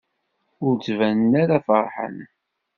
Ur ttbanen ara feṛḥen.